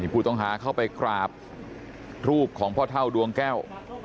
ผู้ต้องหาเข้าไปกราบรูปของพ่อเท่าดวงแก้ว